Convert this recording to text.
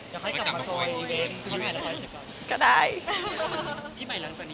อยากถ่ายอีเวนต์เข้ามาเนี่ยก็ถ่ายเสร็จก่อน